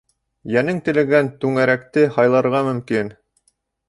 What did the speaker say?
Йәнең теләгән түңәрәкте һайларға мөмкин.